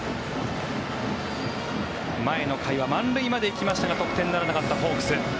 前の回は満塁まで行きましたが得点ならなかったホークス。